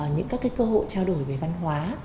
những các cơ hội trao đổi về văn hóa